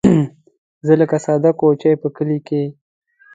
زه لکه ساده کوچۍ په کلي کې